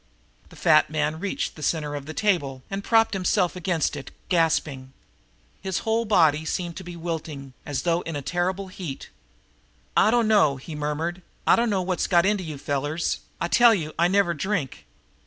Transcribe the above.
The fat man reached the center table and propped himself against it, gasping. His whole big body seemed to be wilting, as though in a terrific heat. "I dunno!" he murmured. "I dunno what's got into you fellers. I tell you, I never drink."